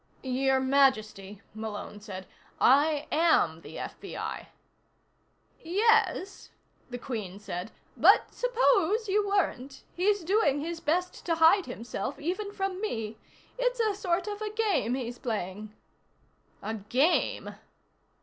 "Your Majesty," Malone said, "I am the FBI." "Yes," the Queen said, "but suppose you weren't? He's doing his best to hide himself, even from me. It's sort of a game he's playing." "A game!"